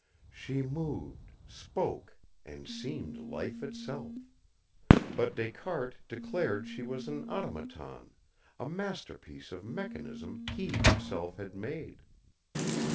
She moved, spoke, and seemed life itself; but Descartes declared she was an automaton, a masterpiece of mechanism he himself had made.